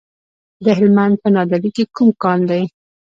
د هلمند په نادعلي کې کوم کان دی؟